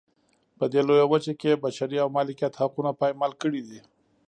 په دې لویه وچه کې یې بشري او مالکیت حقونه پایمال کړي دي.